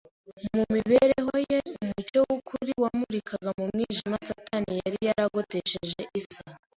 Mu mibereho ye umucyo w’ukuri wamurikaga mu mwijima Satani yari yaragotesheje isi.